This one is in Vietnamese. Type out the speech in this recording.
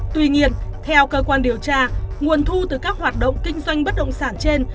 tuy nhiên theo cơ quan điều tra nguồn thu từ các hoạt động kinh doanh bất động sản trên